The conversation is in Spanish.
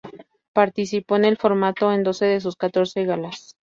Participó en el formato en doce de sus catorce galas.